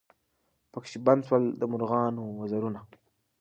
پکښي بند سول د مرغانو وزرونه